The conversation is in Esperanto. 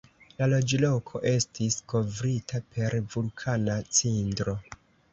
La loĝloko estis kovrita per vulkana cindro.